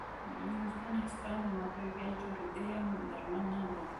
زړونه هېڅکله مه ماتوئ! بیا جوړېدل ئې درمل نه لري.